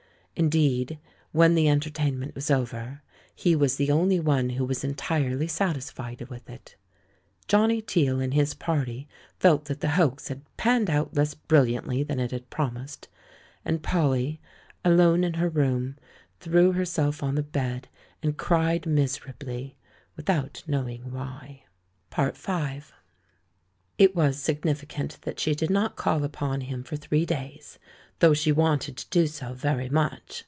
Indeed, when the entertainment was over, he was the only one who was entirely satisfied with it. Jolmny Teale and his party felt that the hoax had "panned out less brilliantly than it had promised"; and Polly, alone in her room, threw herself on the bed and cried miserably, without knowing why. It was significant that she did not call upon him for three days, though she wanted to do so very much.